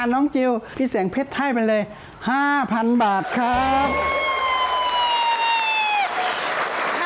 จิลพี่แสงเพชรให้ไปเลย๕๐๐๐บาทครับ